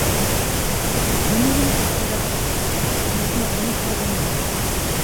Nemůžeme se skrývat za ostatní, musíme plnit své povinnosti.